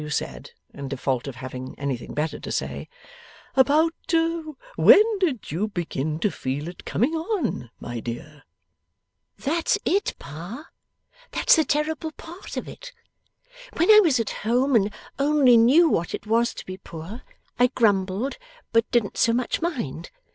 W. said, in default of having anything better to say: 'About when did you begin to feel it coming on, my dear?' 'That's it, Pa. That's the terrible part of it. When I was at home, and only knew what it was to be poor, I grumbled but didn't so much mind.